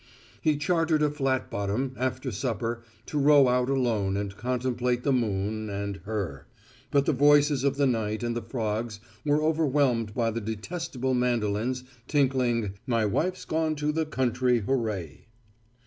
He chartered a flatbottom after supper to row out alone and contemplate the moon and her, but the voices of the night and the frogs were overwhelmed by the detestable mandolins tinkling "My Wife's Gone to the Country, Hurray."